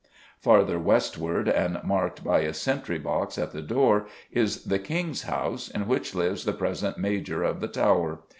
Farther westward, and marked by a sentry box at the door, is the King's House, in which lives the present Major of the Tower.